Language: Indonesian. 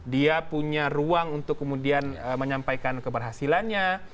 dia punya ruang untuk kemudian menyampaikan keberhasilannya